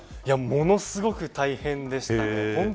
ものすごく大変でした。